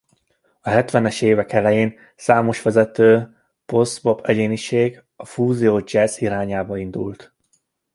A hetvenes évek elején számos vezető post-bop egyéniség a fúziós jazz irányába indult.